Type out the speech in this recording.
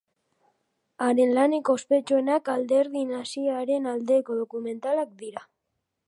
Haren lanik ospetsuenak Alderdi Naziaren aldeko dokumentalak dira.